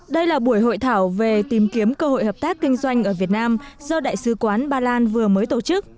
đây là buổi hội thảo về tìm kiếm cơ hội hợp tác kinh doanh ở việt nam do đại sứ quán ba lan vừa mới tổ chức